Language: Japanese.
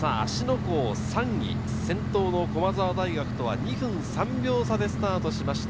湖を３位、先頭の駒澤大学とは２分３秒差でスタートしました。